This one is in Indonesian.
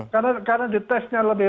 karena di tesnya lebih